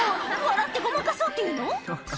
笑ってごまかそうっていうの？」